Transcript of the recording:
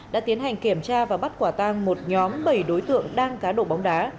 đã tiến hành kiểm tra và bắt quả tang một nhóm bầy đối tượng đang cá đổ bóng đá